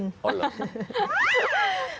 อ๋อเหรอ